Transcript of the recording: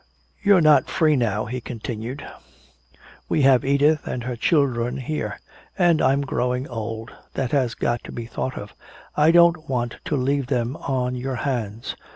"You're not free now," he continued. "We have Edith and her children here. And I'm growing old that has got to be thought of I don't want to leave them on your hands.